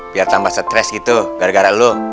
biar tambah stres gitu gara gara lu